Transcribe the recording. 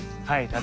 はい。